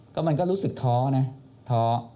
ก็มันก็รู้สึกท้อนะท้อ